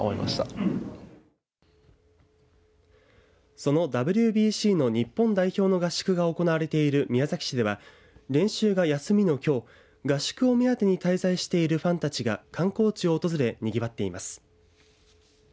そのＷＢＣの日本代表の合宿が行われている宮崎市では練習が休みのきょう合宿を目当てに滞在しているファンたちが観光地を訪れにぎわっています。